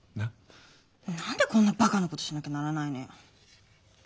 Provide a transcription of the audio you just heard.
何でこんなバカなことしなきゃならないのよ。